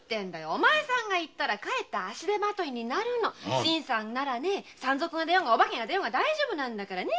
お前さんが行けばかえって足手まといになるの新さんなら山賊が出ようがお化けが出ようが大丈夫。